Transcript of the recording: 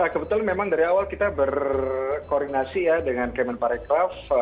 kebetulan memang dari awal kita berkoordinasi ya dengan kemen parekraf